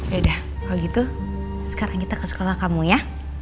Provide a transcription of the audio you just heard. yaudah kalau gitu sekarang kita ke sekolah kamu ya